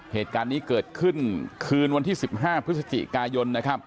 เหตุการณ์นี้เกิดขึ้นคืนวันที่๑๕พฤศจิกายนนะครับ